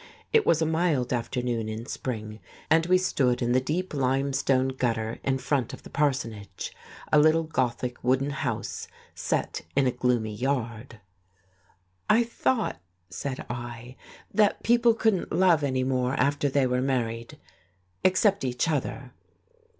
It was a mild afternoon in spring, and we stood in the deep limestone gutter in front of the parsonage, a little Gothic wooden house set in a gloomy yard. "I thought," said I, "that people couldn't love any more after they were married, except each other."